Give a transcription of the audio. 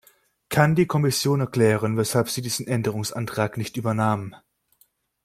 Kann die Kommission erklären, weshalb sie diesen Änderungsantrag nicht übernahm?